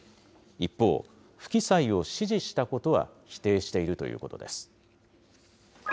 一方、不記載を指示したことは否定しているということです。